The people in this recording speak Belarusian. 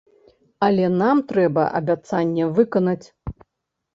Але нам трэба абяцанне выканаць.